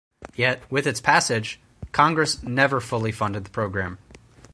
Yet with its passage, Congress never fully funded the program.